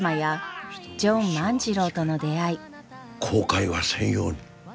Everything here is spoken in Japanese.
後悔はせんように。